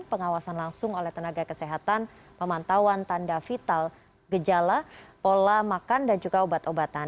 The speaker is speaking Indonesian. pengawasan langsung oleh tenaga kesehatan pemantauan tanda vital gejala pola makan dan juga obat obatan